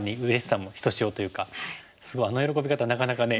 すごいあの喜び方はなかなかね。